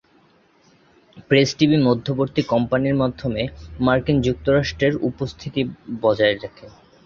Press TV মধ্যবর্তী কোম্পানীর মাধ্যমে মার্কিন যুক্তরাষ্ট্রের উপস্থিতি বজায় রাখে।